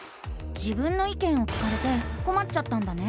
「自分の意見」を聞かれてこまっちゃったんだね？